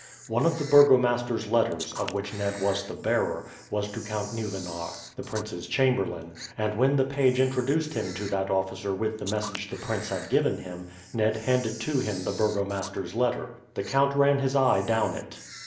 One of the burgomaster's letters, of which Ned was the bearer, was to Count Nieuwenar, the prince's chamberlain, and when the page introduced him to that officer with the message the prince had given him, Ned handed to him the burgomaster's letter. The count ran his eye down it.